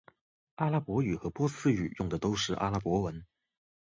阿拉伯语和波斯语用的都是阿拉伯文。